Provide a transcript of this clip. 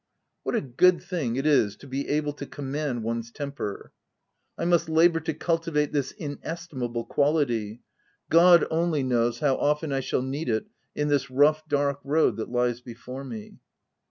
What a good thing it is to be able to command one's temper ! I must labour to cultivate this inesti mable quality : God, only, knows how often I shall need it in this rough, dark road that lies before me.